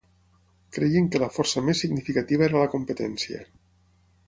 Creien que la força més significativa era la competència.